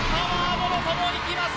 もろともいきます